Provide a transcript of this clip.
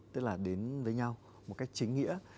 tức là đến với nhau một cách chính nghĩa